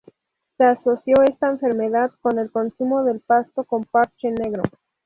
Se asoció esta enfermedad con el consumo del pasto con parche negro.